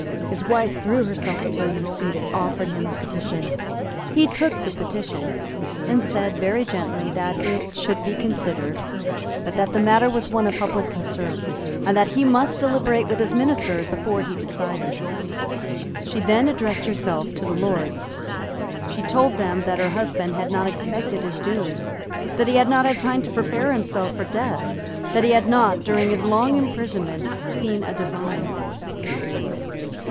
His wife threw herself at William's feet, and offered him a petition. He took the petition, and said, very gently, that it should be considered, but that the matter was one of public concern, and that he must deliberate with his ministers before he decided. She then addressed herself to the Lords. She told them that her husband had not expected his doom, that he had not had time to prepare himself for death, that he had not, during his long imprisonment, seen a divine.